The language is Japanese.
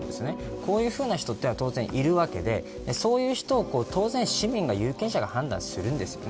こういうふうな人は当然、いるわけでそういう人を当然、市民が有権者が判断するんですよね。